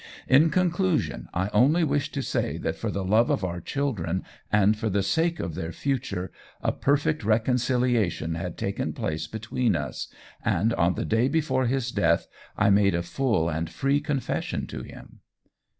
In conclusion, I only wish to say that for the love of our children, and for the sake of their future, a perfect reconciliation had taken place between us, and on the day before his death I made a full and free confession to him."